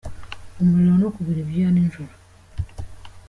Umuriro no kubira ibyuya nijoro.